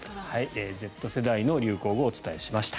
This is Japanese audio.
Ｚ世代の流行語をお伝えしました。